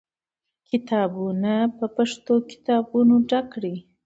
کتابتونونه په پښتو کتابونو ډک کړئ.